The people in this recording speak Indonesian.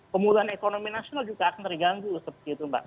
pemuluhan ekonomi nasional juga akan terganggu seperti itu mbak